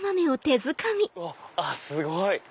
あっすごい！